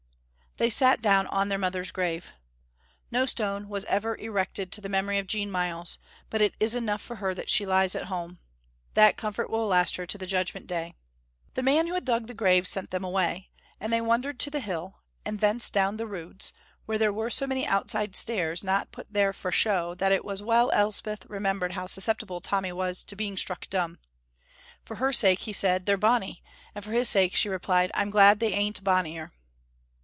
They sat down on their mother's grave. No stone was ever erected to the memory of Jean Myles, but it is enough for her that she lies at home. That comfort will last her to the Judgment Day. The man who had dug the grave sent them away, and they wandered to the hill, and thence down the Roods, where there were so many outside stairs not put there for show that it was well Elspeth remembered how susceptible Tommy was to being struck dumb. For her sake he said, "They're bonny," and for his sake she replied, "I'm glad they ain't bonnier."